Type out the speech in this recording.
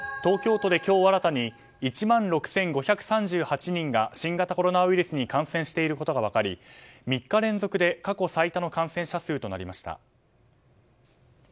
東京都で今日新たに１万６５３８人が新型コロナウイルスに感染していることが分かり３日連続で過去最多の感染者数となりました。